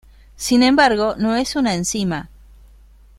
Sin embargo no es una enzima.